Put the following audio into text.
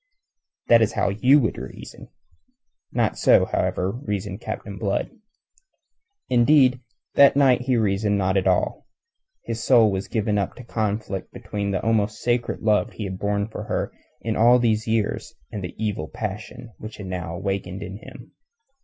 That is how you will reason. Not so, however, reasoned Captain Blood. Indeed, that night he reasoned not at all. His soul was given up to conflict between the almost sacred love he had borne her in all these years and the evil passion which she had now awakened in him.